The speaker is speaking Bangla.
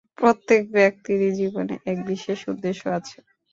প্রত্যেক ব্যক্তিরই জীবনে এক বিশেষ উদ্দেশ্য আছে।